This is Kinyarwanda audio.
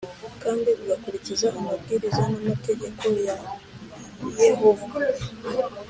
kandi ugakurikiza amabwiriza n’amategeko ya Yehova